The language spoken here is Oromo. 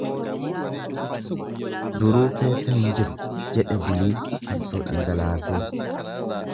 Duruu keessa hin jiru jedhe Buliin farsoo dhangalaasee.